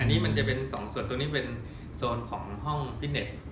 อันนี้มันจะเป็นสองส่วนตัวนี้เป็นโซนของห้องฟิตเน็ต